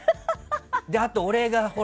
あと、俺がさ、